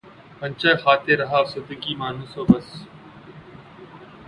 غنچۂ خاطر رہا افسردگی مانوس و بس